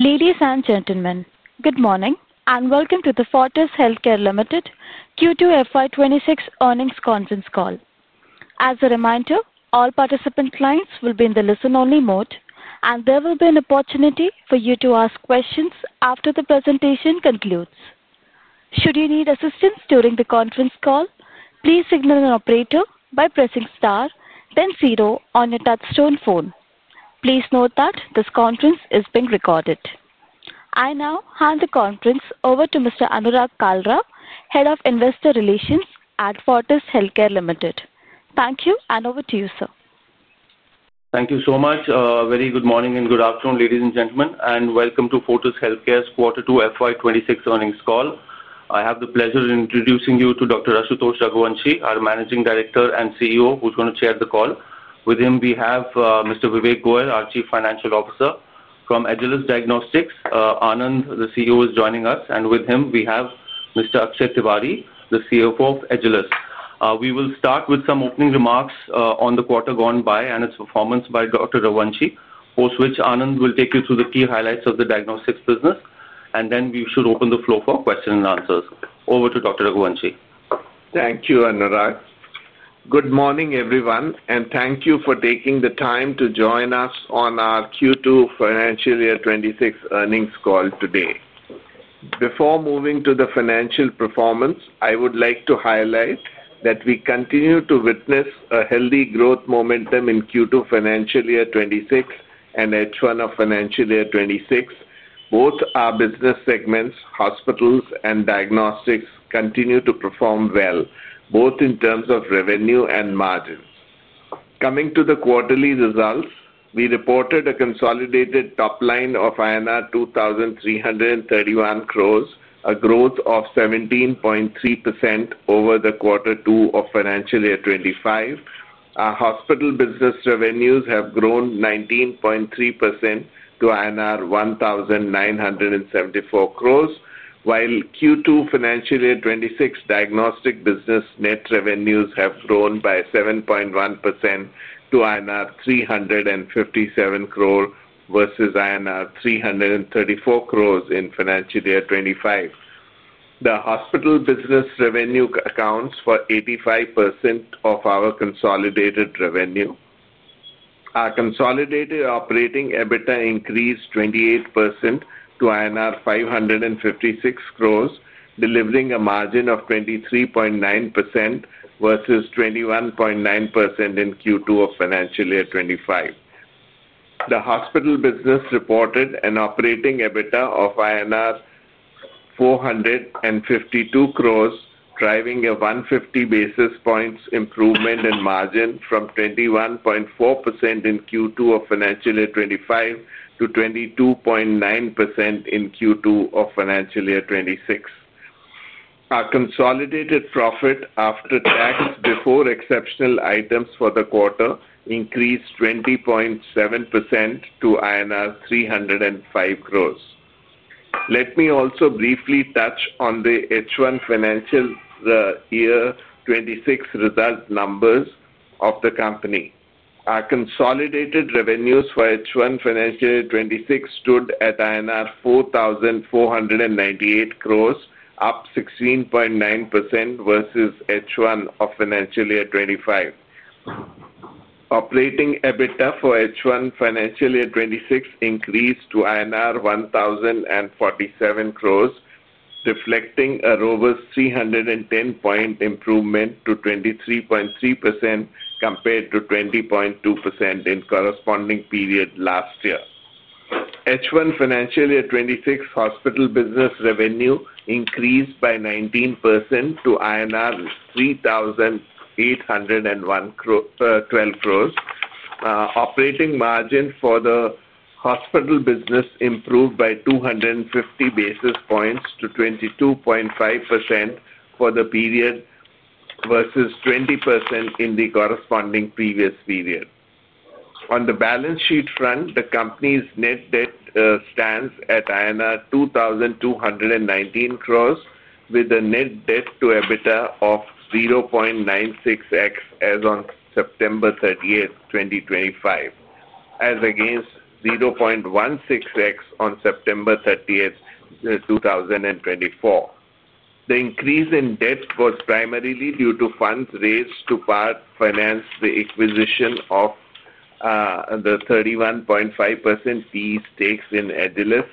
Ladies and gentlemen, good morning and welcome to the Fortis Healthcare Limited Q2 FY 2026 Earnings Conference Call. As a reminder, all participant clients will be in the listen-only mode, and there will be an opportunity for you to ask questions after the presentation concludes. Should you need assistance during the conference call, please signal an operator by pressing star, then zero on your touchstone phone. Please note that this conference is being recorded. I now hand the conference over to Mr. Anurag Kalra, Head of Investor Relations at Fortis Healthcare Limited. Thank you, and over to you, sir. Thank you so much. Very good morning and good afternoon, ladies and gentlemen, and welcome to Fortis Healthcare's Quarter 2 FY 2026 Earnings Call. I have the pleasure of introducing you to Dr. Ashutosh Raghuvanshi, our Managing Director and CEO, who's going to chair the call. With him, we have Mr. Vivek Goyal, our Chief Financial Officer from Agilus Diagnostics. Anand, the CEO, is joining us, and with him, we have Mr. Akshay Tiwari, the CFO of Agilus. We will start with some opening remarks on the quarter gone by and its performance by Dr. Raghuvanshi, post which Anand will take you through the key highlights of the diagnostics business, and then we should open the floor for questions and answers. Over to Dr. Raghuvanshi. Thank you, Anurag. Good morning, everyone, and thank you for taking the time to join us on our Q2 Financial Year 2026 Earnings Call today. Before moving to the financial performance, I would like to highlight that we continue to witness a healthy growth momentum in Q2 Financial Year 2026 and H1 of Financial Year 2026. Both our business segments, hospitals and diagnostics, continue to perform well, both in terms of revenue and margins. Coming to the quarterly results, we reported a consolidated top line of INR 2,331 crores, a growth of 17.3% over the Quarter 2 of Financial Year 2025. Our hospital business revenues have grown 19.3% to INR 1,974 crores, while Q2 Financial Year 2026 diagnostic business net revenues have grown by 7.1% to INR 357 crores versus INR 334 crores in Financial Year 2025. The hospital business revenue accounts for 85% of our consolidated revenue. Our consolidated operating EBITDA increased 28% to INR 556 crores, delivering a margin of 23.9% versus 21.9% in Q2 of Financial Year 2025. The hospital business reported an operating EBITDA of INR 452 crores, driving a 150 basis points improvement in margin from 21.4% in Q2 of Financial Year 2025 to 22.9% in Q2 of Financial Year 2026. Our consolidated profit after tax before exceptional items for the quarter increased 20.7% to INR 305 crores. Let me also briefly touch on the H1 Financial Year 2026 result numbers of the company. Our consolidated revenues for H1 Financial Year 2026 stood at INR 4,498 crores, up 16.9% versus H1 of Financial Year 2025. Operating EBITDA for H1 Financial Year 2026 increased to INR 1,047 crores, reflecting a robust 310 basis points improvement to 23.3% compared to 20.2% in the corresponding period last year. H1 Financial Year 2026 hospital business revenue increased by 19% to INR 3,812 crores. Operating margin for the hospital business improved by 250 basis points to 22.5% for the period versus 20% in the corresponding previous period. On the balance sheet front, the company's net debt stands at 2,219 crores, with a net debt to EBITDA of 0.96x as on September 30, 2025, as against 0.16x on September 30, 2024. The increase in debt was primarily due to funds raised to part finance the acquisition of the 31.5% fee stakes in Agilus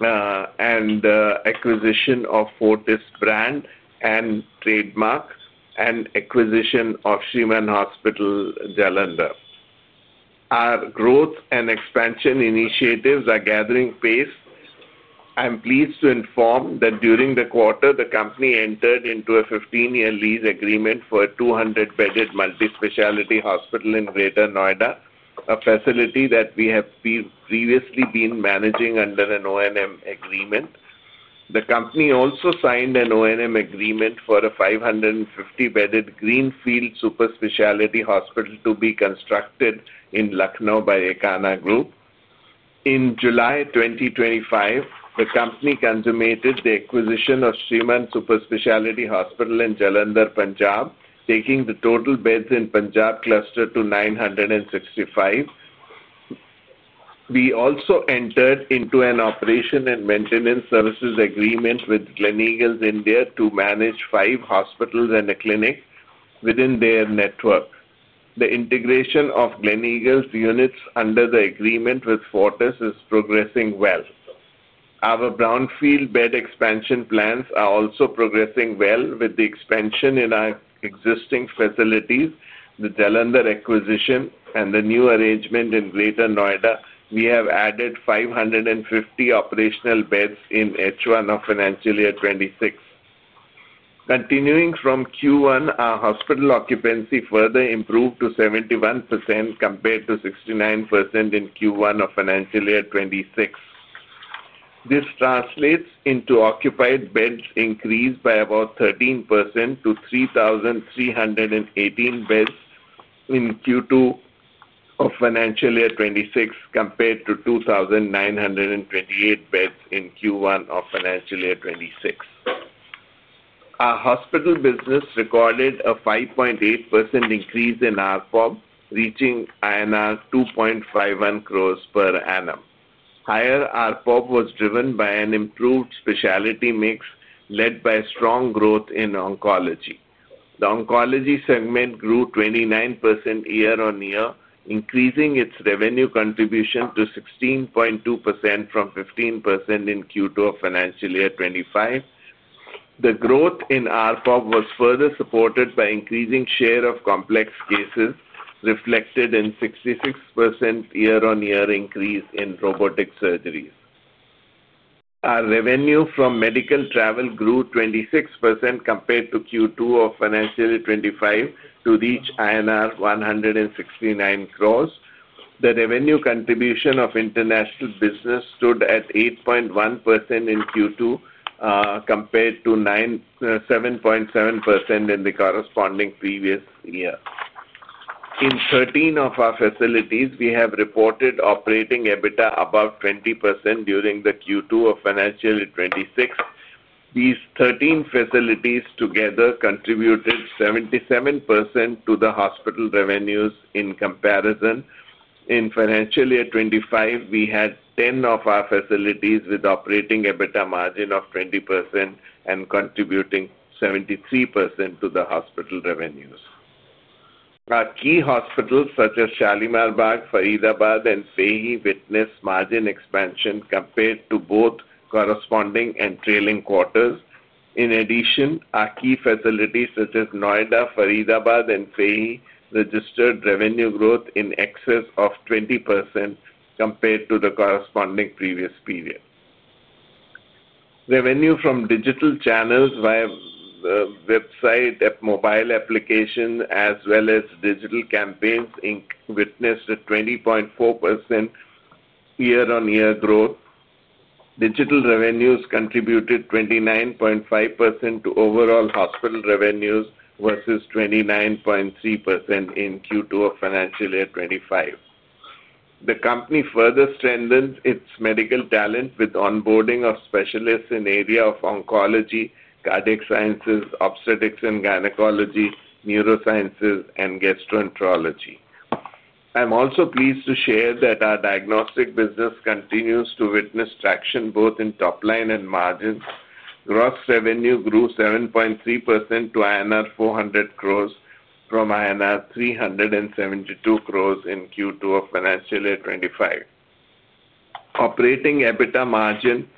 Diagnostics and the acquisition of Fortis brand and trademark and acquisition of Shriman Superspecialty Hospital Jalandhar. Our growth and expansion initiatives are gathering pace. I'm pleased to inform that during the quarter, the company entered into a 15-year lease agreement for a 200-bedded multispecialty hospital in Greater Noida, a facility that we have previously been managing under an O&M agreement. The company also signed an O&M agreement for a 550-bedded Greenfield super specialty hospital to be constructed in Lucknow by Ekana Group. In July 2025, the company consummated the acquisition of Shrimann Superspecialty Hospital in Jalandhar, Punjab, taking the total beds in Punjab cluster to 965. We also entered into an operation and maintenance services agreement with Gleneagles India to manage five hospitals and a clinic within their network. The integration of Gleneagles units under the agreement with Fortis is progressing well. Our brownfield bed expansion plans are also progressing well with the expansion in our existing facilities, the Jalandhar acquisition, and the new arrangement in Greater Noida. We have added 550 operational beds in H1 of Financial Year 2026. Continuing from Q1, our hospital occupancy further improved to 71% compared to 69% in Q1 of Financial Year 2026. This translates into occupied beds increased by about 13% to 3,318 beds in Q2 of Financial Year 2026 compared to 2,928 beds in Q1 of Financial Year 2026. Our hospital business recorded a 5.8% increase in RPOB, reaching INR 2.51 crore per annum. Higher RPOB was driven by an improved specialty mix led by strong growth in oncology. The oncology segment grew 29% year-on-year, increasing its revenue contribution to 16.2% from 15% in Q2 of Financial Year 2025. The growth in RPOB was further supported by increasing share of complex cases, reflected in 66% year-on-year increase in robotic surgeries. Our revenue from medical travel grew 26% compared to Q2 of Financial Year 2025 to reach INR 169 crore. The revenue contribution of international business stood at 8.1% in Q2 compared to 7.7% in the corresponding previous year. In 13 of our facilities, we have reported operating EBITDA above 20% during the Q2 of Financial Year 2026. These 13 facilities together contributed 77% to the hospital revenues in comparison. In Financial Year 2025, we had 10 of our facilities with operating EBITDA margin of 20% and contributing 73% to the hospital revenues. Our key hospitals such as Shalimar Bagh, Faridabad, and Mohali witnessed margin expansion compared to both corresponding and trailing quarters. In addition, our key facilities such as Noida, Faridabad, and Mohali registered revenue growth in excess of 20% compared to the corresponding previous period. Revenue from digital channels via website and mobile applications, as well as digital campaigns, witnessed a 20.4% year-on-year growth. Digital revenues contributed 29.5% to overall hospital revenues versus 29.3% in Q2 of Financial Year 2025. The company further strengthened its medical talent with onboarding of specialists in the area of oncology, cardiac sciences, obstetrics and gynecology, neurosciences, and gastroenterology. I'm also pleased to share that our diagnostic business continues to witness traction both in top line and margins. Gross revenue grew 7.3% to INR 400 crores from INR 372 crores in Q2 of Financial Year 2025. Operating EBITDA margin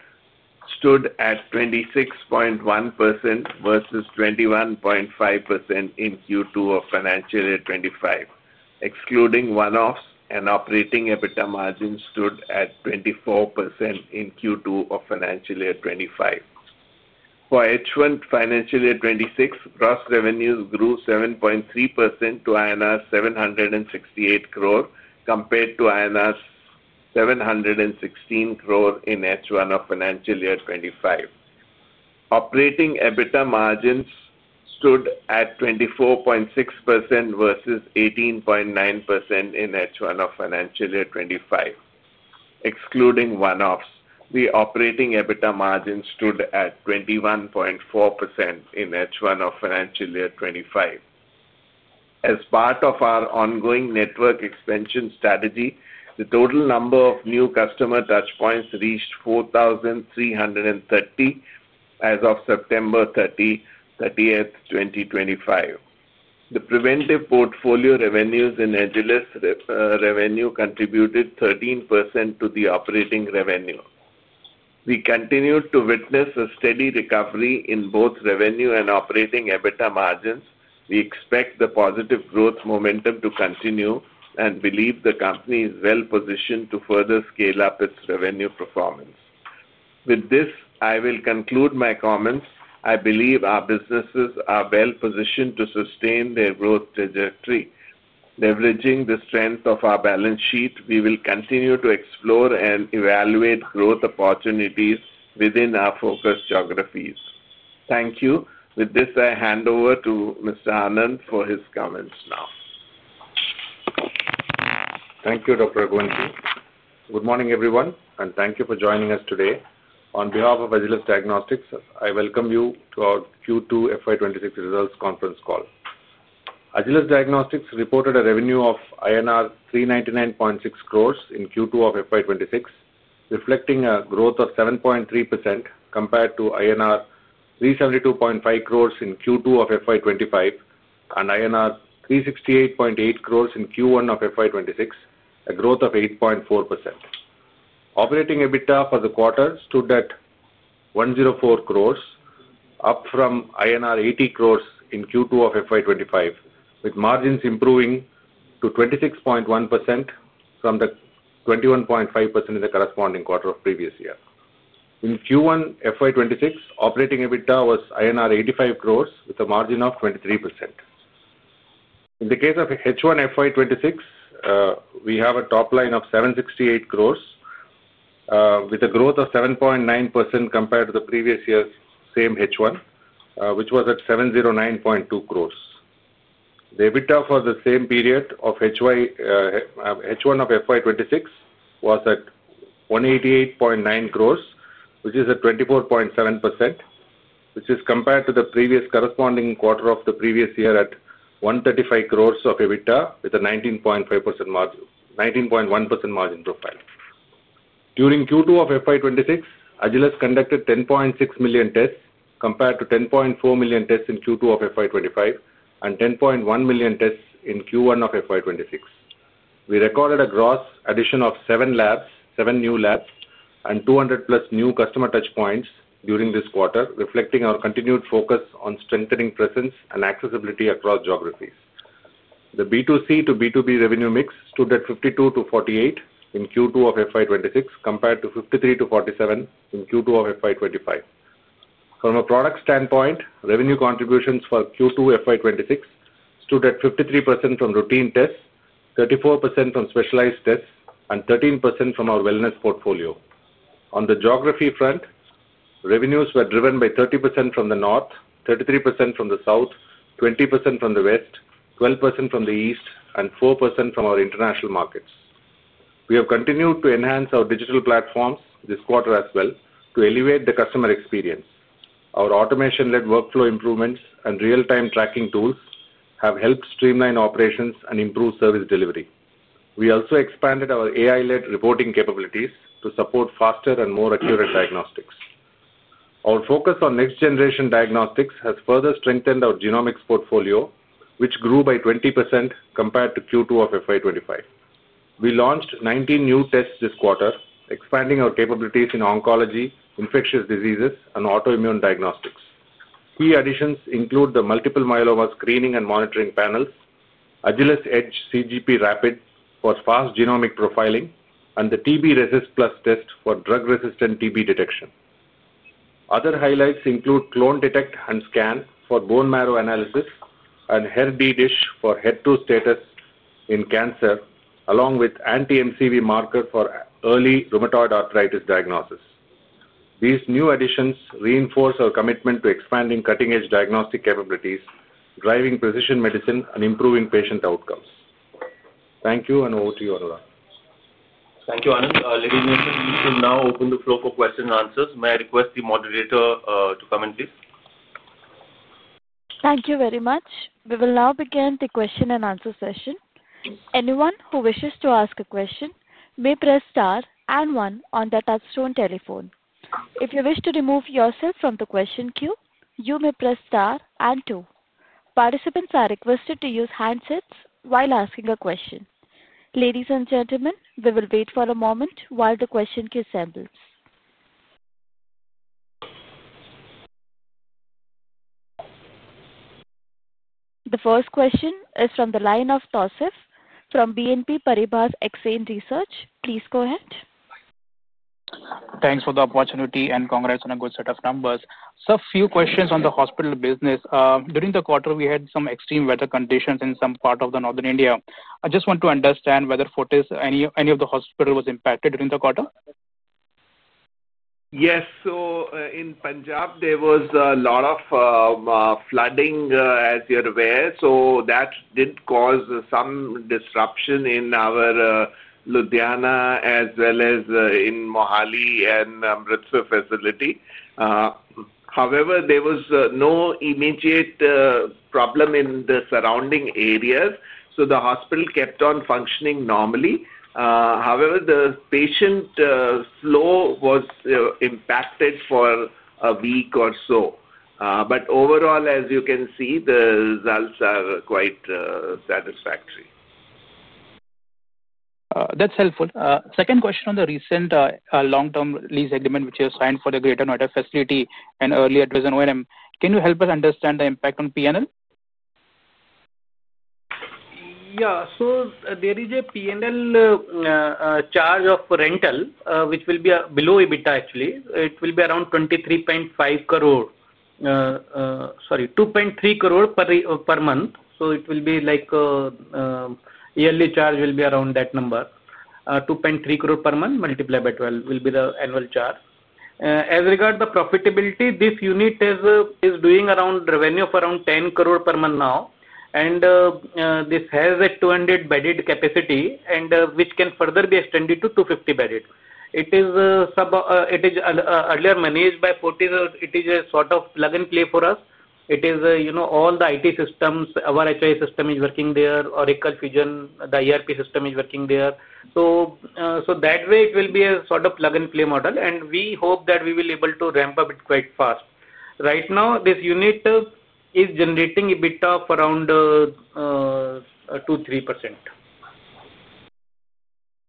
stood at 26.1% versus 21.5% in Q2 of Financial Year 2025. Excluding one-offs, operating EBITDA margin stood at 24% in Q2 of Financial Year 2025. For H1 Financial Year 2026, gross revenues grew 7.3% to INR 768 crores compared to INR 716 crores in H1 of Financial Year 2025. Operating EBITDA margins stood at 24.6% versus 18.9% in H1 of Financial Year 2025. Excluding one-offs, operating EBITDA margin stood at 21.4% in H1 of Financial Year 2025. As part of our ongoing network expansion strategy, the total number of new customer touchpoints reached 4,330 as of September 30, 2025. The preventive portfolio revenues in Agilus revenue contributed 13% to the operating revenue. We continue to witness a steady recovery in both revenue and operating EBITDA margins. We expect the positive growth momentum to continue and believe the company is well-positioned to further scale up its revenue performance. With this, I will conclude my comments. I believe our businesses are well-positioned to sustain their growth trajectory. Leveraging the strength of our balance sheet, we will continue to explore and evaluate growth opportunities within our focus geographies. Thank you. With this, I hand over to Mr. Anand for his comments now. Thank you, Dr. Raghuvanshi. Good morning, everyone, and thank you for joining us today. On behalf of Agilus Diagnostics, I welcome you to our Q2 FY 2026 Results Conference Call. Agilus Diagnostics reported a revenue of INR 399.6 crores in Q2 of FY 2026, reflecting a growth of 7.3% compared to INR 372.5 crores in Q2 of FY 2025 and INR 368.8 crores in Q1 of FY 2026, a growth of 8.4%. Operating EBITDA for the quarter stood at 104 crores, up from INR 80 crores in Q2 of FY 2025, with margins improving to 26.1% from the 21.5% in the corresponding quarter of previous year. In Q1 FY 2026, operating EBITDA was INR 85 crores with a margin of 23%. In the case of H1 FY 2026, we have a top line of 768 crores with a growth of 7.9% compared to the previous year's same H1, which was at 709.2 crores. The EBITDA for the same period of H1 of FY 2026 was at 188.9 crores, which is at 24.7%, which is compared to the previous corresponding quarter of the previous year at 135 crores of EBITDA with a 19.1% margin profile. During Q2 of FY 2026, Agilus conducted 10.6 million tests compared to 10.4 million tests in Q2 of FY 2025 and 10.1 million tests in Q1 of FY2026. We recorded a gross addition of seven new labs and 200 plus new customer touchpoints during this quarter, reflecting our continued focus on strengthening presence and accessibility across geographies. The B2C-B2B revenue mix stood at 52-48 in Q2 of FY 2026 compared to 53-47 in Q2 of FY 2025. From a product standpoint, revenue contributions for Q2 FY 2026 stood at 53% from routine tests, 34% from specialized tests, and 13% from our wellness portfolio. On the geography front, revenues were driven by 30% from the north, 33% from the south, 20% from the west, 12% from the east, and 4% from our international markets. We have continued to enhance our digital platforms this quarter as well to elevate the customer experience. Our automation-led workflow improvements and real-time tracking tools have helped streamline operations and improve service delivery. We also expanded our AI-led reporting capabilities to support faster and more accurate diagnostics. Our focus on next-generation diagnostics has further strengthened our genomics portfolio, which grew by 20% compared to Q2 of FY 2025. We launched 19 new tests this quarter, expanding our capabilities in oncology, infectious diseases, and autoimmune diagnostics. Key additions include the Multiple Myeloma Screening and Monitoring Panels, Agilus Edge CGP Rapid for fast genomic profiling, and the TB Resist Plus test for drug-resistant TB detection. Other highlights include Clone Detect and Scan for bone marrow analysis and HealthyDish for head-to-status in cancer, along with anti-MCV marker for early rheumatoid arthritis diagnosis. These new additions reinforce our commitment to expanding cutting-edge diagnostic capabilities, driving precision medicine, and improving patient outcomes. Thank you, and over to you, Anurag. Thank you, Anand. Ladies, you should now open the floor for questions and answers. May I request the moderator to comment, please? Thank you very much. We will now begin the question and answer session. Anyone who wishes to ask a question may press star and one on the touchstone telephone. If you wish to remove yourself from the question queue, you may press star and two. Participants are requested to use handsets while asking a question. Ladies and gentlemen, we will wait for a moment while the question queue assembles. The first question is from the line of Tausif from BNP Paribas Exane Research. Please go ahead. Thanks for the opportunity and congrats on a good set of numbers. Sir, a few questions on the hospital business. During the quarter, we had some extreme weather conditions in some part of northern India. I just want to understand whether any of the hospital was impacted during the quarter. Yes. In Punjab, there was a lot of flooding, as you're aware. That did cause some disruption in our Ludhiana as well as in Mohali and Amritsar facility. However, there was no immediate problem in the surrounding areas. The hospital kept on functioning normally. However, the patient flow was impacted for a week or so. Overall, as you can see, the results are quite satisfactory. That's helpful. Second question on the recent long-term lease agreement which you have signed for the Greater Noida facility and earlier, 2009. Can you help us understand the impact on P&L? Yeah. There is a P&L charge of rental which will be below EBITDA, actually. It will be around 23.5 crore. Sorry, 2.3 crore per month. It will be like yearly charge will be around that number, 2.3 crore per month multiplied by 12 will be the annual charge. As regard the profitability, this unit is doing around revenue of around 10 crore per month now. This has a 200-bedded capacity which can further be extended to 250-bedded. It is earlier managed by Fortis. It is a sort of plug-and-play for us. It is all the IT systems. Our HIS system is working there. Oracle Fusion, the ERP system, is working there. That way, it will be a sort of plug-and-play model. We hope that we will be able to ramp up it quite fast. Right now, this unit is generating EBITDA of around 2%-3%.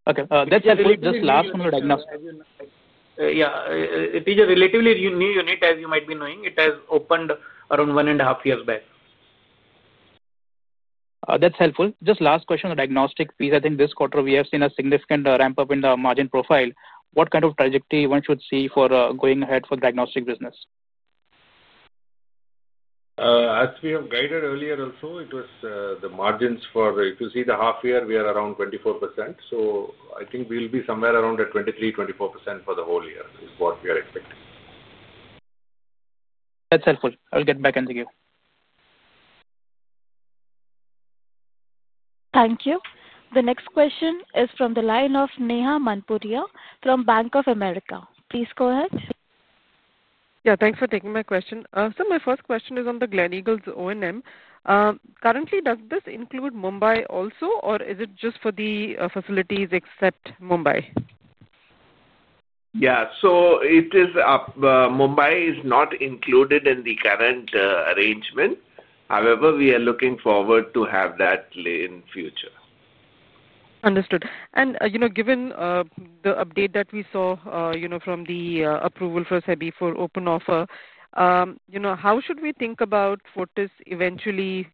Okay. That's helpful. Just last one on the diagnostic. Yeah. It is a relatively new unit, as you might be knowing. It has opened around one and a half years back. That's helpful. Just last question on the diagnostic piece. I think this quarter we have seen a significant ramp up in the margin profile. What kind of trajectory one should see for going ahead for the diagnostic business? As we have guided earlier also, it was the margins for if you see the half year, we are around 24%. I think we'll be somewhere around 23%-24% for the whole year is what we are expecting. That's helpful. I'll get back to you. Thank you. The next question is from the line of Neha Manpuria from Bank of America. Please go ahead. Yeah. Thanks for taking my question. So my first question is on the Glen Eagles O&M. Currently, does this include Mumbai also, or is it just for the facilities except Mumbai? Yeah. Mumbai is not included in the current arrangement. However, we are looking forward to have that in future. Understood. Given the update that we saw from the approval for SEBI for open offer, how should we think about Fortis eventually,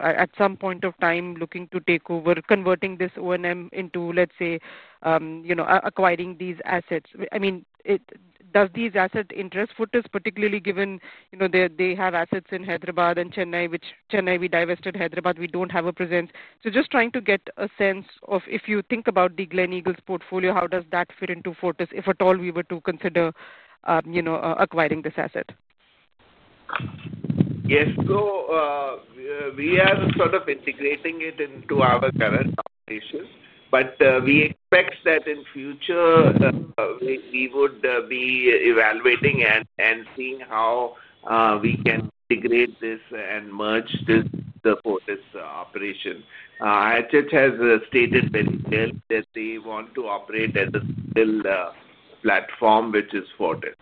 at some point of time, looking to take over, converting this O&M into, let's say, acquiring these assets? I mean, do these assets interest Fortis, particularly given they have assets in Hyderabad and Chennai, which Chennai we divested, Hyderabad we do not have a presence? Just trying to get a sense of if you think about the Glen Eagles portfolio, how does that fit into Fortis if at all we were to consider acquiring this asset? Yes. We are sort of integrating it into our current operation. We expect that in future, we would be evaluating and seeing how we can integrate this and merge the Fortis operation. Anand has stated very clearly that they want to operate as a single platform, which is Fortis.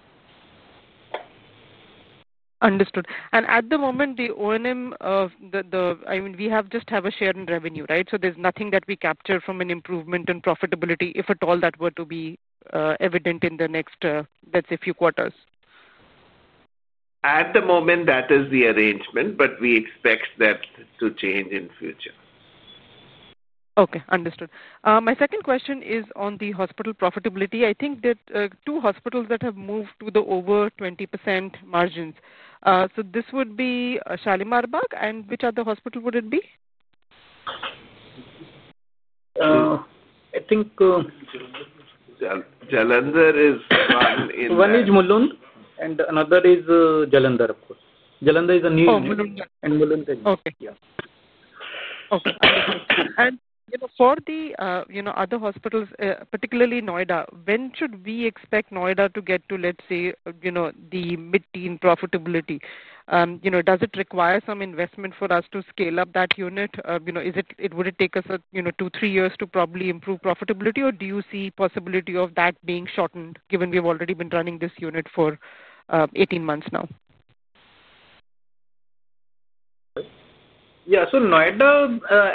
Understood. At the moment, the O&M, I mean, we just have a share in revenue, right? There is nothing that we capture from an improvement in profitability if at all that were to be evident in the next, let's say, few quarters? At the moment, that is the arrangement, but we expect that to change in future. Okay. Understood. My second question is on the hospital profitability. I think that two hospitals that have moved to the over 20% margins. This would be Shalimar Bagh. And which other hospital would it be? I think Jalandhar is one in. One is Mulund, and another is Jalandhar, of course. Jalandhar is near Mulund. Mulund. Okay. For the other hospitals, particularly Noida, when should we expect Noida to get to, let's say, the mid-teen profitability? Does it require some investment for us to scale up that unit? Would it take us two, three years to probably improve profitability, or do you see the possibility of that being shortened given we've already been running this unit for 18 months now? Yeah. Noida,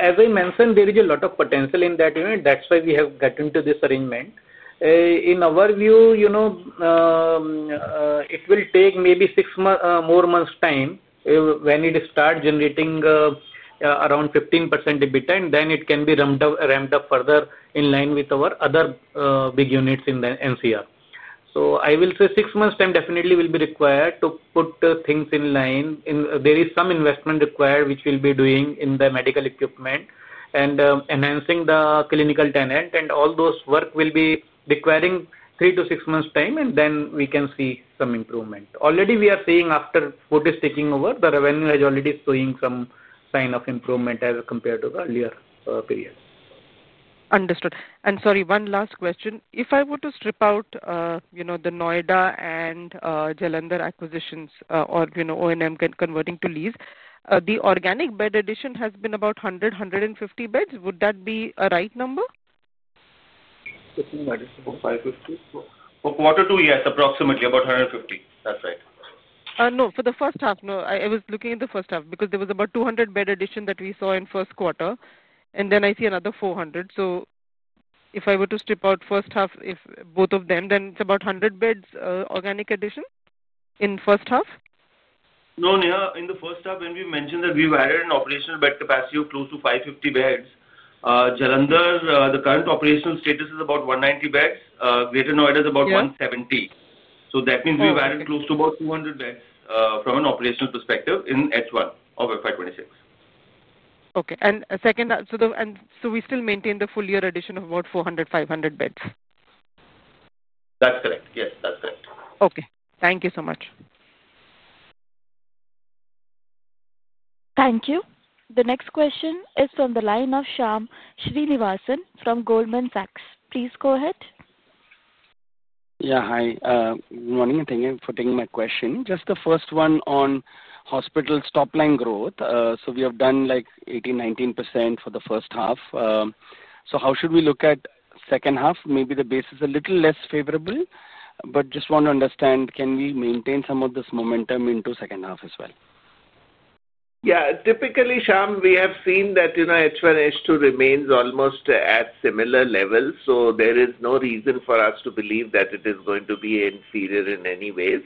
as I mentioned, there is a lot of potential in that unit. That is why we have got into this arrangement. In our view, it will take maybe six more months' time when it starts generating around 15% EBITDA, and then it can be ramped up further in line with our other big units in the NCR. I will say six months' time definitely will be required to put things in line. There is some investment required, which we will be doing in the medical equipment and enhancing the clinical tenant. All those work will be requiring three to six months' time, and then we can see some improvement. Already, we are seeing after Fortis taking over, the revenue has already been showing some sign of improvement as compared to the earlier period. Understood. Sorry, one last question. If I were to strip out the Noida and Jalandhar acquisitions or O&M converting to lease, the organic bed addition has been about 100 bed-150 beds. Would that be a right number? 150, 150. One year-two year, approximately about 150. That's right. No, for the first half, no. I was looking at the first half because there was about 200 bed addition that we saw in first quarter. And then I see another 400. If I were to strip out first half, both of them, then it is about 100 beds organic addition in first half? No, Neha. In the first half, when we mentioned that we've added an operational bed capacity of close to 550 beds, Jalandhar, the current operational status is about 190 beds. Greater Noida is about 170. That means we've added close to about 200 beds from an operational perspective in H1 of FY 2026. Okay. And second, so we still maintain the full year addition of about 400 beds-500 beds? That's correct. Yes, that's correct. Okay. Thank you so much. Thank you. The next question is from the line of Shyam Srinivasan from Goldman Sachs. Please go ahead. Yeah. Hi. Good morning. Thank you for taking my question. Just the first one on hospital top-line growth. We have done like 18%-19% for the first half. How should we look at the second half? Maybe the base is a little less favorable, but just want to understand, can we maintain some of this momentum into the second half as well? Yeah. Typically, Shyam, we have seen that H1, H2 remains almost at similar levels. There is no reason for us to believe that it is going to be inferior in any ways.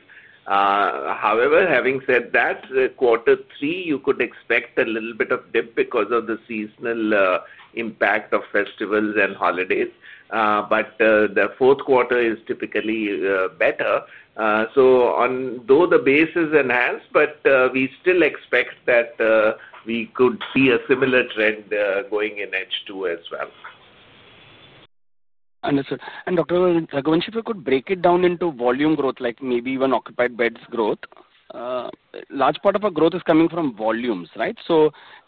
However, having said that, quarter three, you could expect a little bit of dip because of the seasonal impact of festivals and holidays. The fourth quarter is typically better. Though the base is enhanced, we still expect that we could see a similar trend going in H2 as well. Understood. Dr. Raghuvanshi, if we could break it down into volume growth, like maybe even occupied beds growth, a large part of our growth is coming from volumes, right?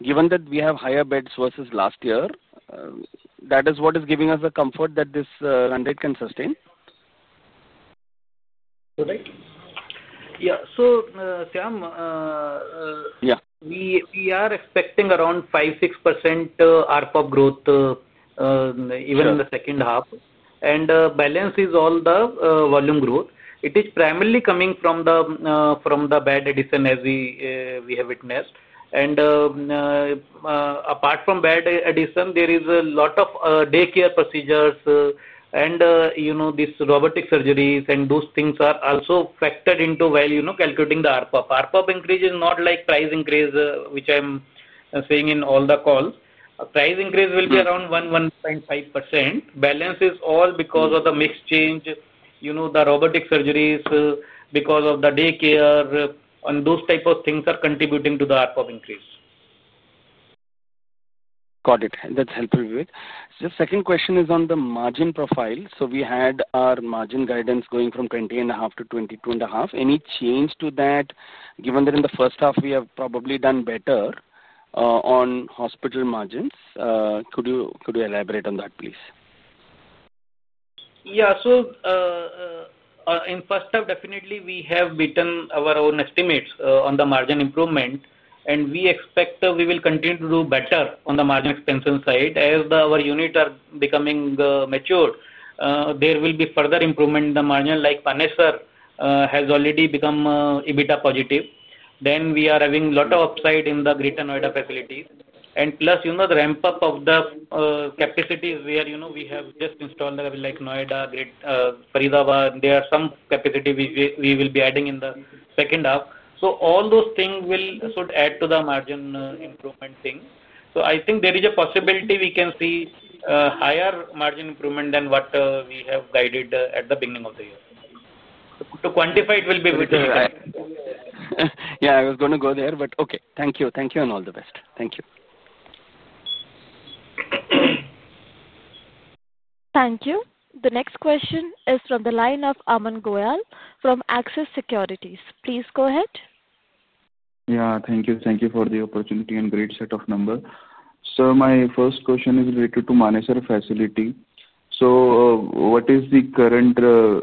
Given that we have higher beds versus last year, that is what is giving us the comfort that this mandate can sustain. Yeah. Shyam, we are expecting around 5%-6% ARPOB growth even in the second half. Balance is all the volume growth. It is primarily coming from the bed addition as we have witnessed. Apart from bed addition, there is a lot of daycare procedures and these robotic surgeries, and those things are also factored in while calculating the ARPOB. ARPOB increase is not like price increase, which I'm saying in all the calls. Price increase will be around 1%-1.5%. Balance is all because of the mix change, the robotic surgeries, because of the daycare, and those types of things are contributing to the ARPOB increase. Got it. That's helpful. Just second question is on the margin profile. So we had our margin guidance going from 20.5%-22.5%. Any change to that given that in the first half, we have probably done better on hospital margins? Could you elaborate on that, please? Yeah. In first half, definitely, we have beaten our own estimates on the margin improvement. We expect we will continue to do better on the margin expansion side as our units are becoming matured. There will be further improvement in the margin, like Manesar has already become EBITDA positive. We are having a lot of upside in the Greater Noida facilities. Plus, the ramp up of the capacities where we have just installed, like Noida, Faridabad, there is some capacity we will be adding in the second half. All those things should add to the margin improvement thing. I think there is a possibility we can see higher margin improvement than what we have guided at the beginning of the year. To quantify, it will be a bit difficult. Yeah. I was going to go there, but okay. Thank you. Thank you and all the best. Thank you. Thank you. The next question is from the line of Raghav Goyal from Axis Securities. Please go ahead. Yeah. Thank you. Thank you for the opportunity and great set of numbers. My first question is related to Manesar facility. What is the current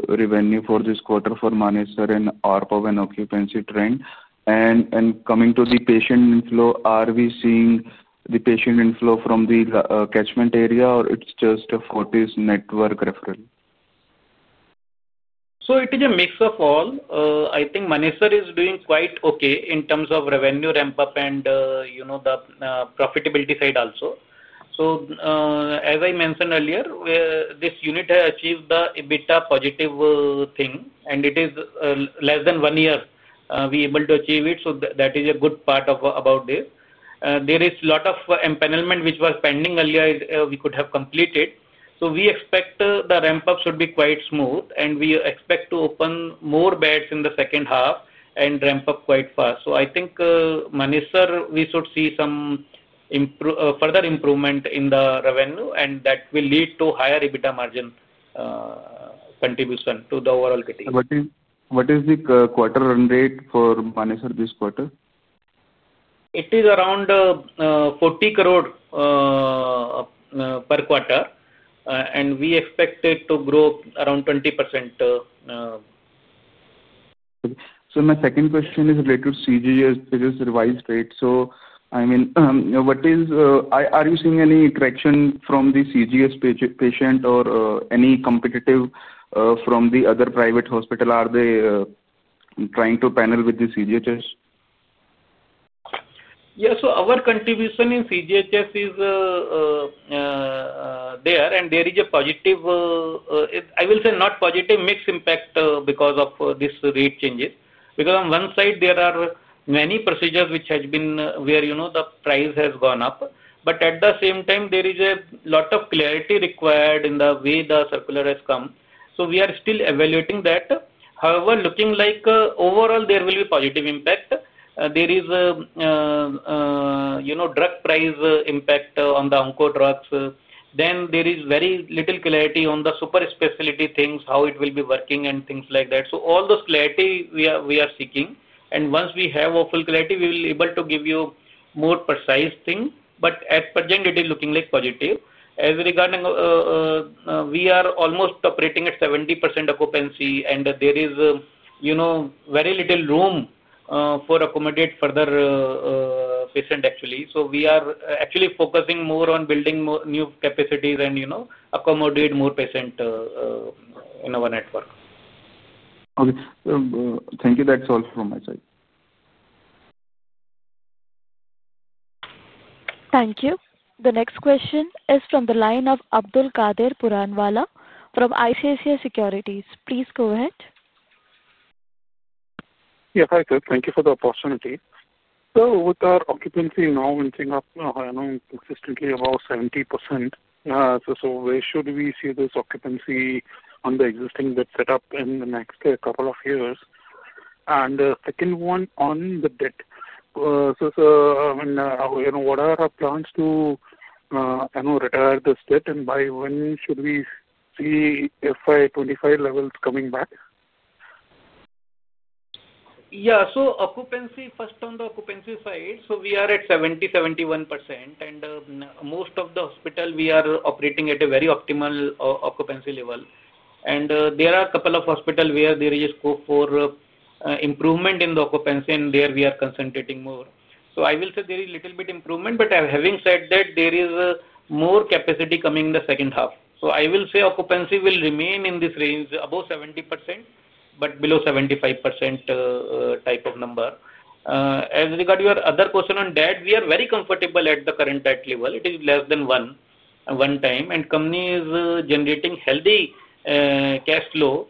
revenue for this quarter for Manesar and ARPOB and occupancy trend? Coming to the patient inflow, are we seeing the patient inflow from the catchment area, or it's just Fortis network referral? It is a mix of all. I think Manesar is doing quite okay in terms of revenue ramp-up and the profitability side also. As I mentioned earlier, this unit has achieved the EBITDA positive thing. It is less than one year we are able to achieve it. That is a good part about this. There is a lot of impediment which was pending earlier we could have completed. We expect the ramp-up should be quite smooth. We expect to open more beds in the second half and ramp up quite fast. I think Manesar, we should see some further improvement in the revenue, and that will lead to higher EBITDA margin contribution to the overall category. What is the quarter run rate for Manesar this quarter? It is around 40 crore per quarter. We expect it to grow around 20%. My second question is related to CGHS, which is revised rate. I mean, are you seeing any traction from the CGHS patient or any competitive from the other private hospital? Are they trying to panel with the CGHS? Yeah. So our contribution in CGHS is there. And there is a positive, I will say not positive, mixed impact because of these rate changes. Because on one side, there are many procedures which have been where the price has gone up. At the same time, there is a lot of clarity required in the way the circular has come. We are still evaluating that. However, looking like overall, there will be positive impact. There is drug price impact on the oncodrugs. Then there is very little clarity on the super specialty things, how it will be working and things like that. All those clarity we are seeking. Once we have full clarity, we will be able to give you more precise things. At present, it is looking like positive. As regarding, we are almost operating at 70% occupancy, and there is very little room to accommodate further patient, actually. So we are actually focusing more on building new capacities and accommodate more patient in our network. Okay. Thank you. That's all from my side. Thank you. The next question is from the line of Abdulkader Puranwala from ICICI Securities. Please go ahead. Yes, [Ashutosh]. Thank you for the opportunity. With our occupancy now in Singapore consistently about 70%, where should we see this occupancy on the existing bed setup in the next couple of years? The second one on the debt. What are our plans to retire this debt, and by when should we see FY 2025 levels coming back? Yeah. Occupancy, first on the occupancy side, we are at 70%-71%. Most of the hospital, we are operating at a very optimal occupancy level. There are a couple of hospitals where there is scope for improvement in the occupancy, and there we are concentrating more. I will say there is a little bit improvement. Having said that, there is more capacity coming in the second half. I will say occupancy will remain in this range above 70% but below 75% type of number. As regard to your other question on debt, we are very comfortable at the current debt level. It is less than one time. Company is generating healthy cash flow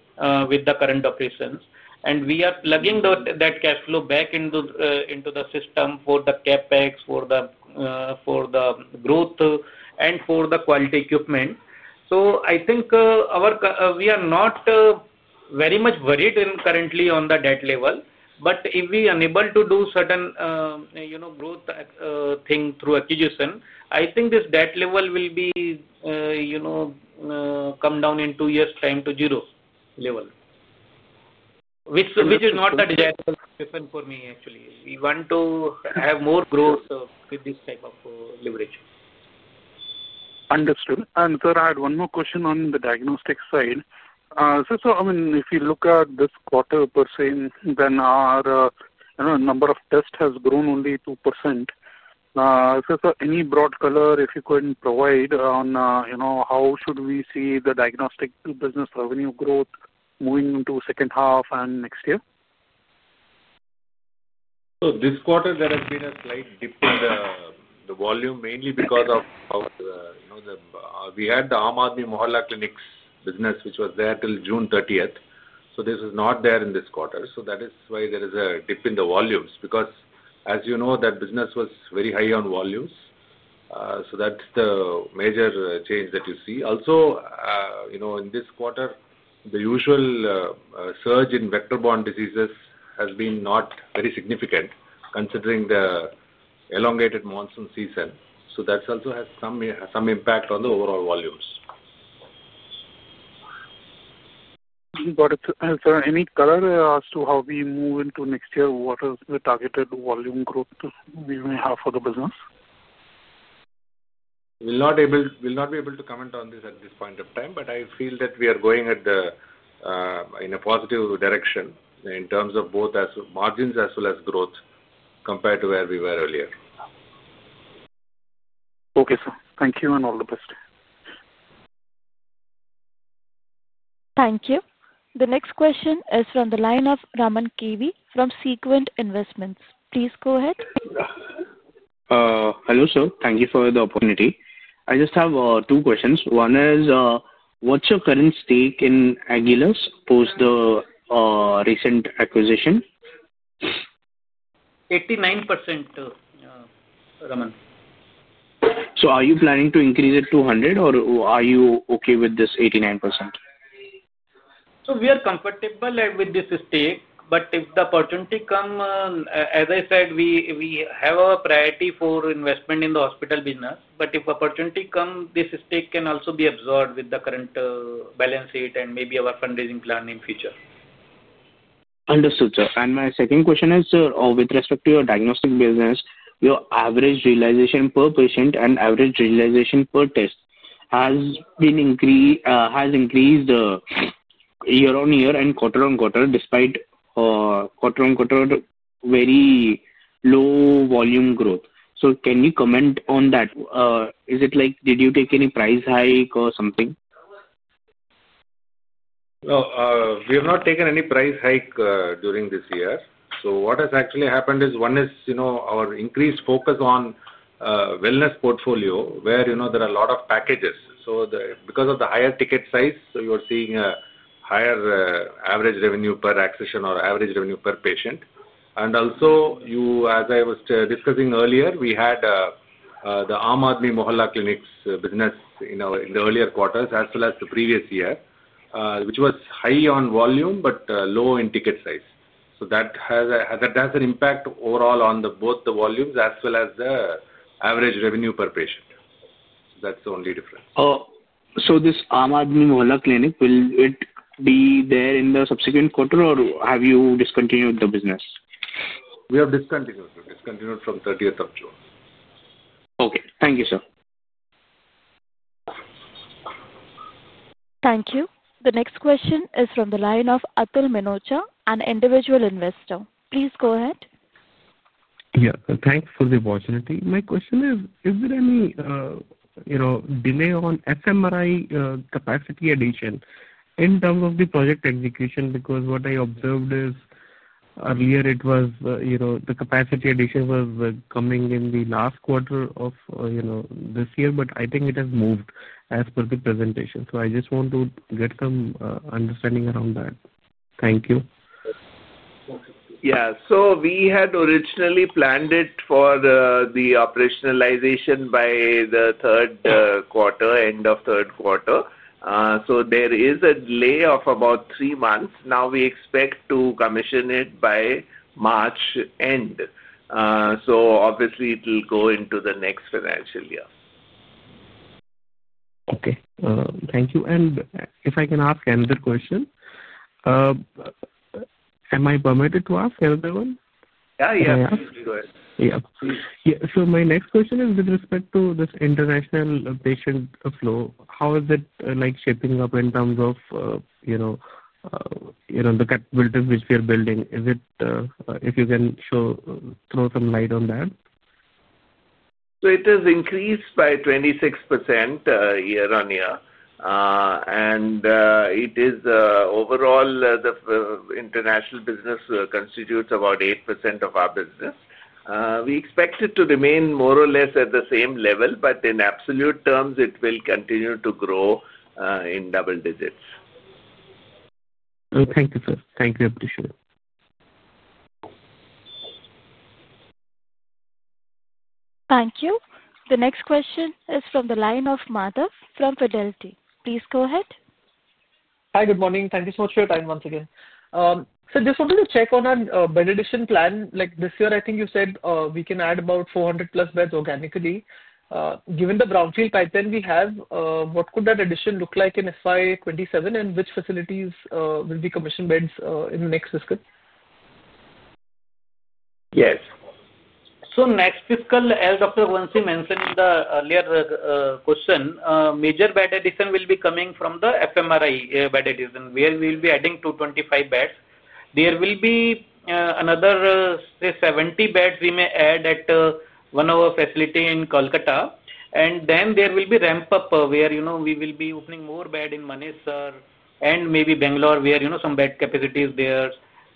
with the current operations. We are plugging that cash flow back into the system for the CapEx, for the growth, and for the quality equipment. I think we are not very much worried currently on the debt level. If we are unable to do certain growth thing through acquisition, I think this debt level will come down in two years' time to zero level, which is not a desirable position for me, actually. We want to have more growth with this type of leverage. Understood. Sir, I had one more question on the diagnostic side. I mean, if you look at this quarter per se, our number of tests has grown only 2%. Any broad color if you could provide on how should we see the diagnostic business revenue growth moving into the second half and next year? This quarter, there has been a slight dip in the volume, mainly because we had the Ama Admi Mohalla clinics business, which was there until June 30, 2023. This is not there in this quarter. That is why there is a dip in the volumes because, as you know, that business was very high on volumes. That is the major change that you see. Also, in this quarter, the usual surge in vector-borne diseases has not been very significant considering the elongated monsoon season. That also has some impact on the overall volumes. Sir, any color as to how we move into next year? What is the targeted volume growth we may have for the business? We'll not be able to comment on this at this point of time, but I feel that we are going in a positive direction in terms of both margins as well as growth compared to where we were earlier. Okay, sir. Thank you and all the best. Thank you. The next question is from the line of Raman KV from Sequent Investments. Please go ahead. Hello sir. Thank you for the opportunity. I just have two questions. One is, what's your current stake in Agilus post the recent acquisition? 89%, Raman. Are you planning to increase it to 100, or are you okay with this 89%? We are comfortable with this stake. If the opportunity comes, as I said, we have a priority for investment in the hospital business. If the opportunity comes, this stake can also be absorbed with the current balance sheet and maybe our fundraising plan in future. Understood, sir. My second question is, with respect to your diagnostic business, your average realization per patient and average realization per test has increased year-on-year and quarter on quarter despite quarter-on-quarter very low volume growth. Can you comment on that? Is it like did you take any price hike or something? No. We have not taken any price hike during this year. What has actually happened is one is our increased focus on wellness portfolio where there are a lot of packages. Because of the higher ticket size, you are seeing a higher average revenue per acquisition or average revenue per patient. Also, as I was discussing earlier, we had the Aam Aadmi Mohalla clinics business in the earlier quarters as well as the previous year, which was high on volume but low in ticket size. That has an impact overall on both the volumes as well as the average revenue per patient. That is the only difference. This Aam Aadmi Mohalla clinics, will it be there in the subsequent quarter, or have you discontinued the business? We have discontinued [audio disortion] from 30th of June. Okay. Thank you, sir. Thank you. The next question is from the line of Atul Menocha, an individual investor. Please go ahead. Yeah. Thanks for the opportunity. My question is, is there any delay on SMRI capacity addition in terms of the project execution? Because what I observed is earlier, the capacity addition was coming in the last quarter of this year, but I think it has moved as per the presentation. I just want to get some understanding around that. Thank you. Yeah. So we had originally planned it for the operationalization by the third quarter, end of third quarter. There is a delay of about three months. Now we expect to commission it by March end. Obviously, it will go into the next financial year. Okay. Thank you. If I can ask another question, am I permitted to ask another one? Yeah. Absolutely. Yeah. So my next question is with respect to this international patient flow, how is it shaping up in terms of the capabilities which we are building? If you can throw some light on that. It has increased by 26% year-on-year. Overall, the international business constitutes about 8% of our business. We expect it to remain more or less at the same level, but in absolute terms, it will continue to grow in double digits. Oh, thank you, sir. Thank you. Appreciate it. Thank you. The next question is from the line of Madhav from Fidelity. Please go ahead. Hi. Good morning. Thank you so much for your time once again. Just wanted to check on our bed addition plan. This year, I think you said we can add about 400+ beds organically. Given the brownfield pipeline we have, what could that addition look like in FY 2027, and which facilities will be commissioned beds in the next fiscal? Yes. Next fiscal, as Dr. Raghuvanshi mentioned in the earlier question, major bed addition will be coming from the FMRI bed addition, where we will be adding 225 beds. There will be another, say, 70 beds we may add at one of our facilities in Kolkata. There will be ramp-up where we will be opening more beds in Manesar and maybe Bangalore, where some bed capacity is there.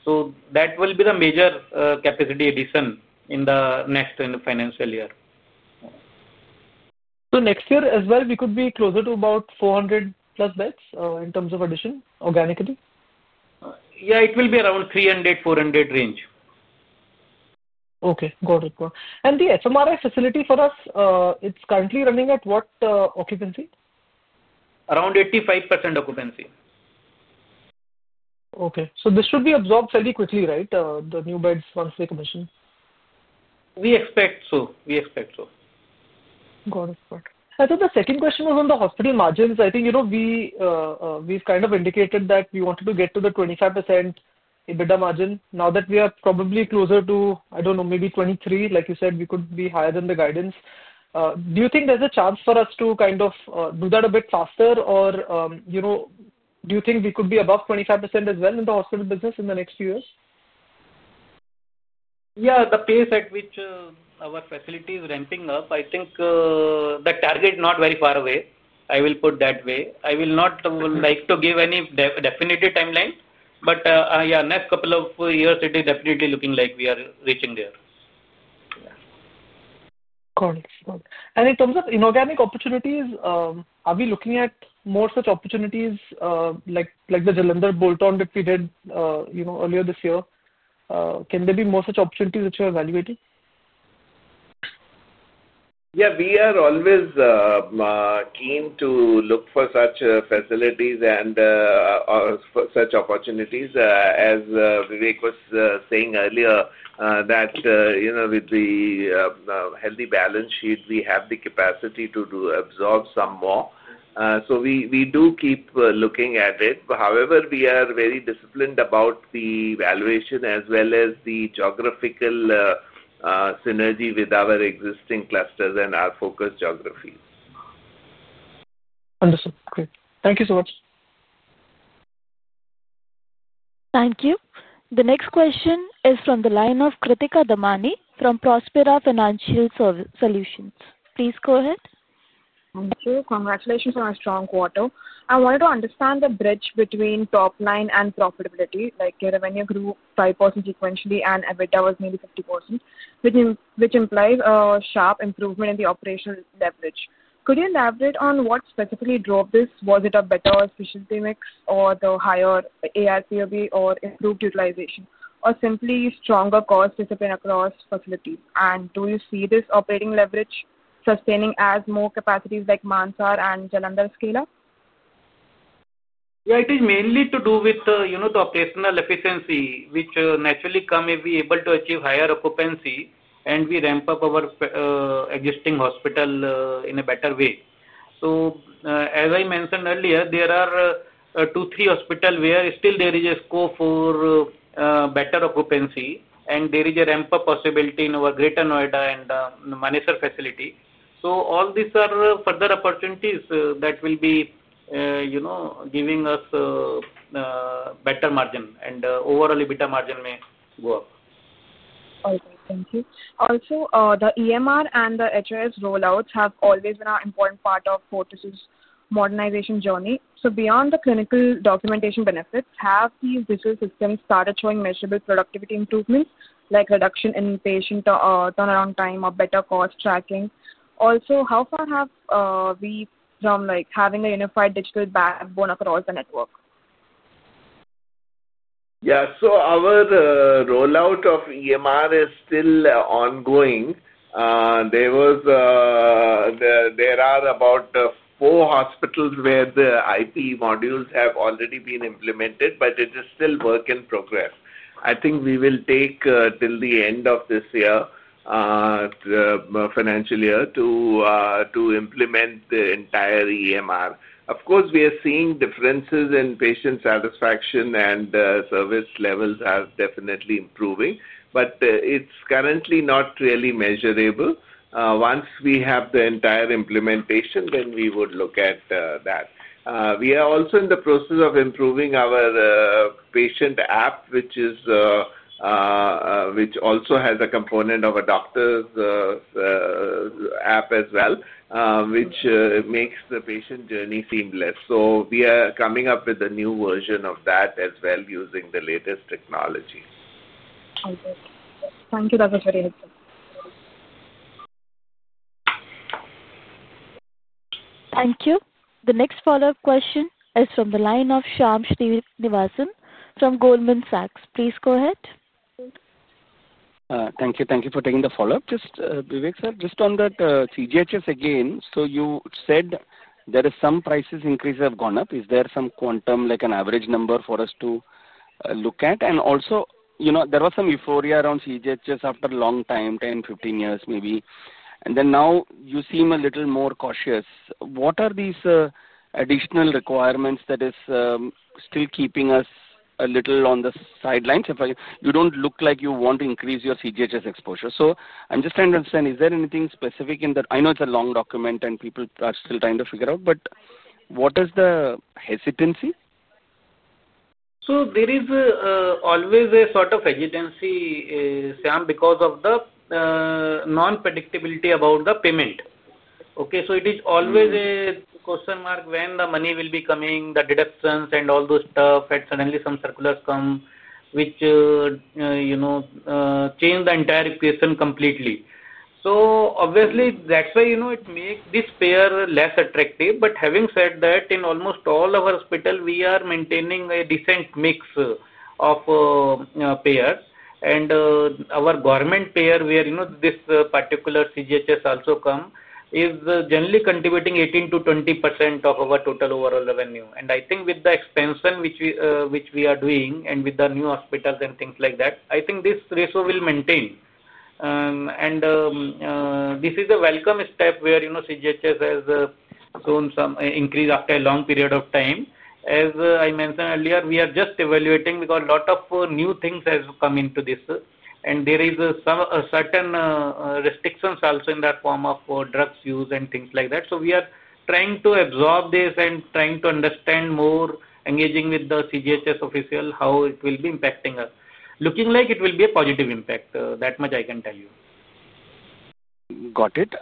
That will be the major capacity addition in the next financial year. Next year as well, we could be closer to about 400+ beds in terms of addition organically? Yeah. It will be around 300-400 range. Okay. Got it. The SMRI facility for us, it's currently running at what occupancy? Around 85% occupancy. Okay. So this should be absorbed fairly quickly, right, the new beds once they commission? We expect so. Got it. Hacheth, the second question was on the hospital margins. I think we've kind of indicated that we wanted to get to the 25% EBITDA margin. Now that we are probably closer to, I don't know, maybe 23, like you said, we could be higher than the guidance. Do you think there's a chance for us to kind of do that a bit faster, or do you think we could be above 25% as well in the hospital business in the next few years? Yeah. The pace at which our facility is ramping up, I think the target is not very far away. I will put it that way. I will not like to give any definitive timeline, but yeah, next couple of years, it is definitely looking like we are reaching there. Got it. In terms of inorganic opportunities, are we looking at more such opportunities like the Jalandhar bolt-on that we did earlier this year? Can there be more such opportunities which you are evaluating? Yeah. We are always keen to look for such facilities and such opportunities. As Vivek was saying earlier, that with the healthy balance sheet, we have the capacity to absorb some more. So we do keep looking at it. However, we are very disciplined about the valuation as well as the geographical synergy with our existing clusters and our focus geographies. Understood. Great. Thank you so much. Thank you. The next question is from the line of Kritika Damani from Prospera Financial Solutions. Please go ahead. Thank you. Congratulations on a strong quarter. I wanted to understand the bridge between top line and profitability. Revenue grew 5% sequentially, and EBITDA was nearly 50%, which implies a sharp improvement in the operational leverage. Could you elaborate on what specifically drove this? Was it a better efficiency mix or the higher ARPOB or improved utilization, or simply stronger cost discipline across facilities? Do you see this operating leverage sustaining as more capacities like Manesar and Jalandhar scale up? Yeah. It is mainly to do with the operational efficiency, which naturally come if we are able to achieve higher occupancy, and we ramp up our existing hospital in a better way. As I mentioned earlier, there are two, three hospitals where still there is a scope for better occupancy, and there is a ramp-up possibility in our Greater Noida and Manesar facility. All these are further opportunities that will be giving us better margin and overall EBITDA margin may go up. All right. Thank you. Also, the EMR and the HOS rollouts have always been an important part of Fortis's modernization journey. Beyond the clinical documentation benefits, have these digital systems started showing measurable productivity improvements like reduction in patient turnaround time or better cost tracking? Also, how far have we come having a unified digital backbone across the network? Yeah. So our rollout of EMR is still ongoing. There are about four hospitals where the IP modules have already been implemented, but it is still work in progress. I think we will take till the end of this year, the financial year, to implement the entire EMR. Of course, we are seeing differences in patient satisfaction, and service levels are definitely improving, but it's currently not really measurable. Once we have the entire implementation, then we would look at that. We are also in the process of improving our patient app, which also has a component of a doctor's app as well, which makes the patient journey seamless. We are coming up with a new version of that as well using the latest technology. All right. Thank you. That was very helpful. Thank you. The next follow-up question is from the line of Shyam Srinivasan from Goldman Sachs. Please go ahead. Thank you. Thank you for taking the follow-up. Vivek sir, just on that CGHS again, you said there are some prices increases have gone up. Is there some quantum, like an average number for us to look at? Also, there was some euphoria around CGHS after a long time, 10 years-15 years maybe. Now you seem a little more cautious. What are these additional requirements that are still keeping us a little on the sidelines? You do not look like you want to increase your CGHS exposure. I am just trying to understand, is there anything specific in that? I know it is a long document, and people are still trying to figure out, but what is the hesitancy? There is always a sort of hesitancy, Sam, because of the non-predictability about the payment. Okay? It is always a question mark when the money will be coming, the deductions, and all those stuff, and suddenly some circulars come which change the entire equation completely. Obviously, that's why it makes this payer less attractive. Having said that, in almost all of our hospitals, we are maintaining a decent mix of payers. Our government payer, where this particular CGHS also comes, is generally contributing 18%-20% of our total overall revenue. I think with the expansion which we are doing and with the new hospitals and things like that, I think this ratio will maintain. This is a welcome step where CGHS has shown some increase after a long period of time. As I mentioned earlier, we are just evaluating because a lot of new things have come into this, and there are certain restrictions also in that form of drugs use and things like that. We are trying to absorb this and trying to understand more, engaging with the CGHS official how it will be impacting us. Looking like it will be a positive impact. That much I can tell you. Got it.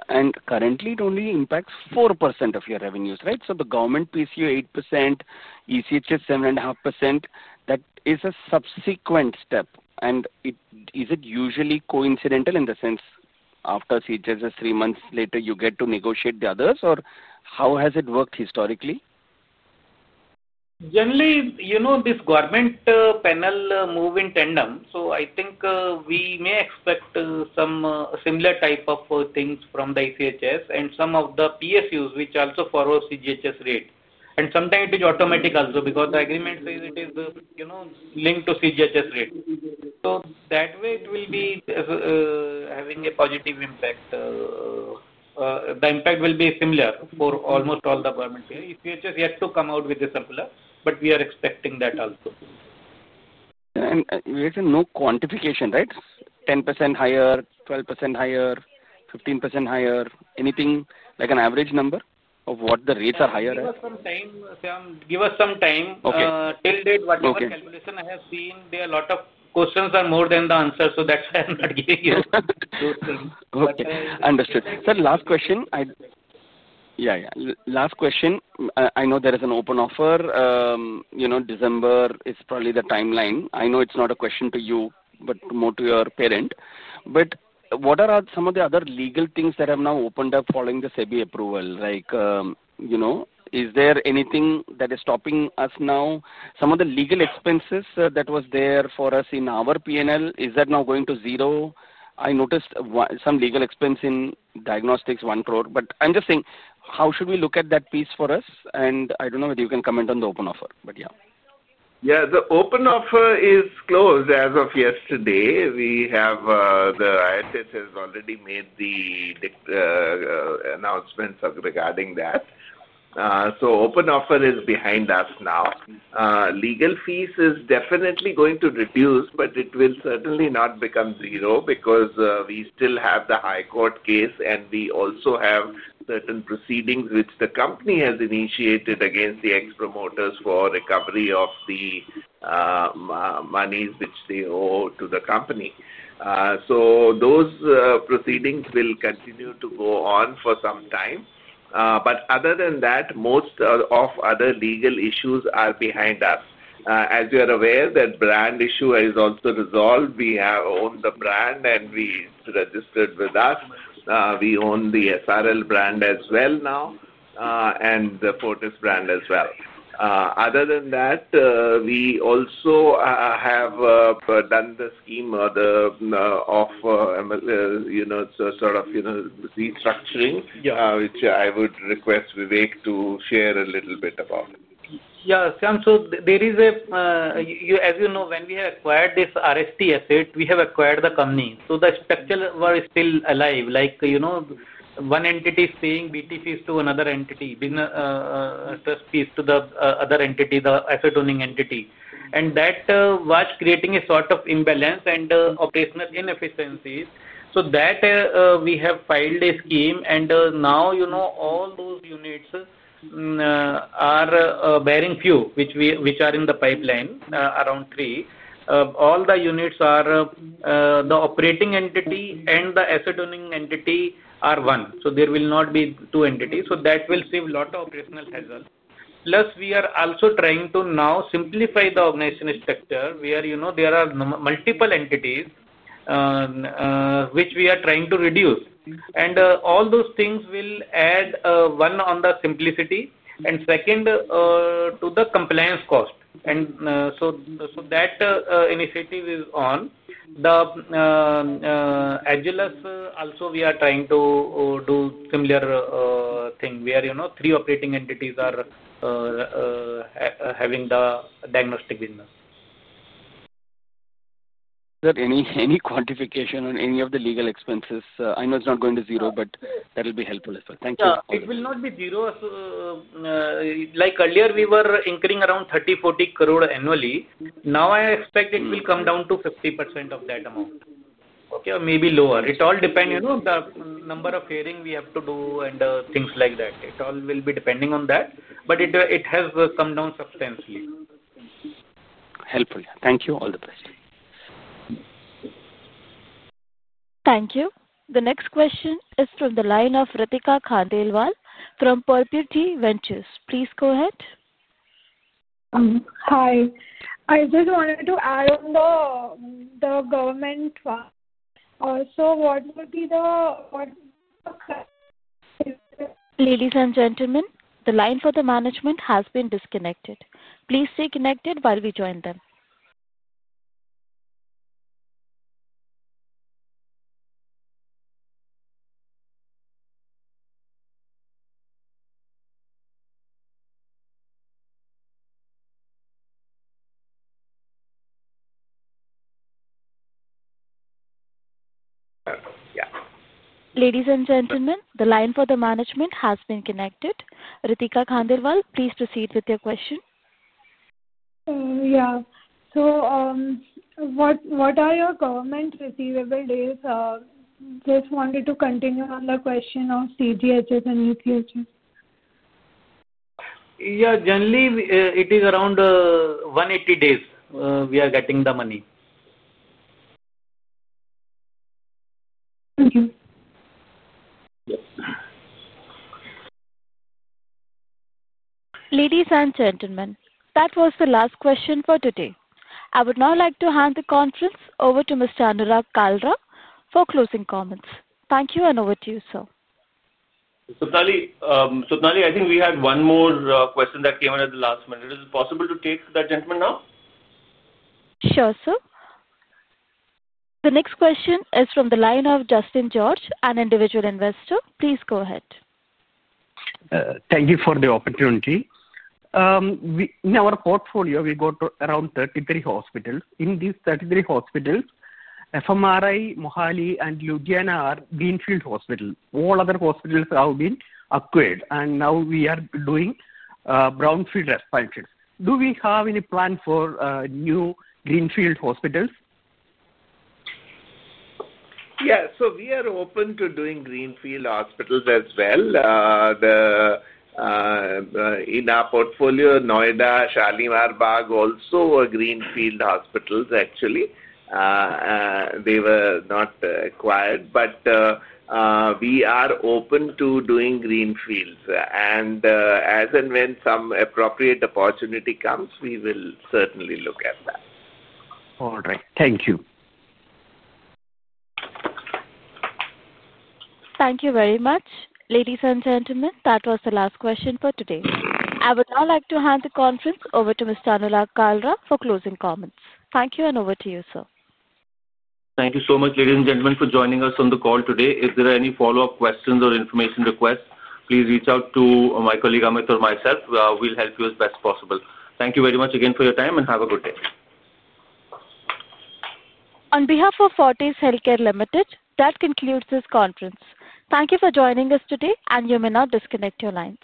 Currently, it only impacts 4% of your revenues, right? The government PCU 8%, ECHS 7.5%. That is a subsequent step. Is it usually coincidental in the sense after CGHS, three months later, you get to negotiate the others, or how has it worked historically? Generally, this government panel moves in tandem. I think we may expect some similar type of things from the ECHS and some of the PSUs, which also follows CGHS rate. Sometimes it is automatic also because the agreement says it is linked to CGHS rate. That way, it will be having a positive impact. The impact will be similar for almost all the government. ECHS yet to come out with the circular, but we are expecting that also. There is no quantification, right? 10% higher, 12% higher, 15% higher, anything like an average number of what the rates are higher at? Give us some time. Till date, whatever calculation I have seen, there are a lot of questions are more than the answers. That's why I'm not giving you those things. Okay. Understood. Sir, last question. Yeah. Last question. I know there is an open offer. December is probably the timeline. I know it's not a question to you, but more to your parent. What are some of the other legal things that have now opened up following the SEBI approval? Is there anything that is stopping us now? Some of the legal expenses that were there for us in our P&L, is that now going to zero? I noticed some legal expense in diagnostics, 10 million. I'm just saying, how should we look at that piece for us? I don't know whether you can comment on the open offer, but yeah. Yeah. The open offer is closed as of yesterday. The IHS has already made the announcements regarding that. The open offer is behind us now. Legal fees are definitely going to reduce, but it will certainly not become zero because we still have the High Court case, and we also have certain proceedings which the company has initiated against the ex-promoters for recovery of the monies which they owe to the company. Those proceedings will continue to go on for some time. Other than that, most of the other legal issues are behind us. As you are aware, that brand issue is also resolved. We have owned the brand, and we registered with us. We own the SRL brand as well now and the Fortis brand as well. Other than that, we also have done the scheme of sort of restructuring, which I would request Vivek to share a little bit about. Yeah. So there is a, as you know, when we have acquired this RST asset, we have acquired the company. So the structure was still alive. One entity is paying BT fees to another entity, business trust fees to the other entity, the asset-owning entity. That was creating a sort of imbalance and operational inefficiencies. We have filed a scheme, and now all those units are, barring a few which are in the pipeline, around three, all the units are the operating entity and the asset-owning entity are one. There will not be two entities. That will save a lot of operational hassle. Plus, we are also trying to now simplify the organizational structure where there are multiple entities which we are trying to reduce. All those things will add one on the simplicity and second to the compliance cost. That initiative is on. The Agilus also, we are trying to do a similar thing where three operating entities are having the diagnostic business. Is there any quantification on any of the legal expenses? I know it's not going to zero, but that will be helpful as well. Thank you. It will not be zero. Like earlier, we were incurring around 30 crore-40 crore annually. Now I expect it will come down to 50% of that amount. Okay? Or maybe lower. It all depends on the number of hearings we have to do and things like that. It all will be depending on that, but it has come down substantially. Helpful. Thank you. All the best. Thank you. The next question is from the line of Ritika Kandelwal from Purpity Ventures. Please go ahead. Hi. I just wanted to add on the government. What will be the. Ladies and gentlemen, the line for the management has been disconnected. Please stay connected while we join them. Ladies and gentlemen, the line for the management has been connected. Ritika Khandelwal, please proceed with your question. Yeah. What are your government receivable days? Just wanted to continue on the question of CGHS and ECHS. Yeah. Generally, it is around 180 days we are getting the money. Thank you. Ladies and gentlemen, that was the last question for today. I would now like to hand the conference over to Mr. Anurag Kalra for closing comments. Thank you, and over to you, sir. Sutali, I think we had one more question that came at the last minute. Is it possible to take that gentleman now? Sure, sir. The next question is from the line of Justin George, an individual investor. Please go ahead. Thank you for the opportunity. In our portfolio, we got around 33 hospitals. In these 33 hospitals, FMRI, Mohali, and Ludhiana are Greenfield hospitals. All other hospitals have been acquired, and now we are doing brownfield responders. Do we have any plan for new Greenfield hospitals? Yeah. We are open to doing Greenfield hospitals as well. In our portfolio, Noida, Shalimar Bagh also were Greenfield hospitals, actually. They were not acquired, but we are open to doing Greenfields. As and when some appropriate opportunity comes, we will certainly look at that. All right. Thank you. Thank you very much. Ladies and gentlemen, that was the last question for today. I would now like to hand the conference over to Mr. Anurag Kalra for closing comments. Thank you, and over to you, sir. Thank you so much, ladies and gentlemen, for joining us on the call today. If there are any follow-up questions or information requests, please reach out to my colleague [Amit] or myself. We'll help you as best possible. Thank you very much again for your time, and have a good day. On behalf of Fortis Healthcare Limited, that concludes this conference. Thank you for joining us today, and you may now disconnect your lines.